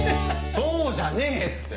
そうじゃねえって。